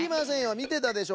みてたでしょ。